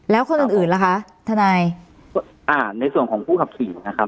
แล้วคนอื่นอื่นล่ะคะทนายอ่าในส่วนของผู้ขับขี่นะครับ